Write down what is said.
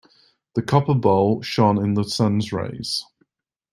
The copper bowl shone in the sun's rays.